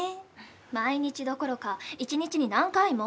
毎日どころか一日に何回も。